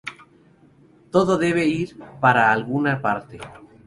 Todo debe ir a parar a alguna parte.